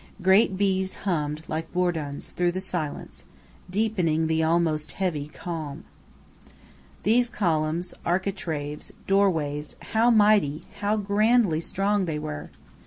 Great bees hummed, like bourdons, through the silence, deepening the almost heavy calm. These columns, architraves, doorways, how mighty, how grandly strong they were!